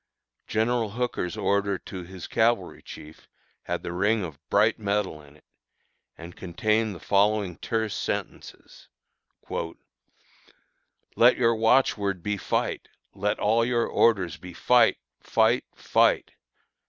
General Hooker's order to his cavalry chief had the ring of bright metal in it, and contained the following terse sentences: "Let your watchword be fight, and let all your orders be fight! FIGHT! FIGHT!